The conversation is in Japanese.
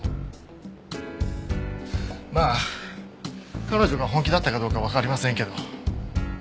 まあ彼女が本気だったかどうかわかりませんけど。